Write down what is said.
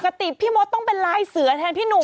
พี่มดต้องเป็นลายเสือแทนพี่หนุ่ม